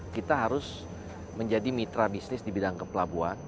kita harus menjadi mitra bisnis di bidang kepelabuhan